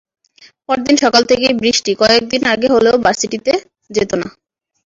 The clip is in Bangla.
পরদিন সকাল থেকেই বৃষ্টি, কয়েক দিন আগে হলেও ভার্সিটিতে যেত না।